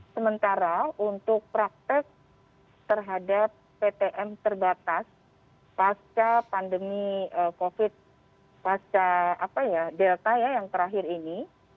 sementara untuk praktek terhadap ptm terbatas pasca pandemi covid pasca delta ya yang terakhir ini